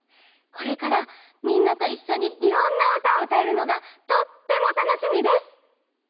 これからみんなといっしょにいろんなうたをうたえるのがとってもたのしみです！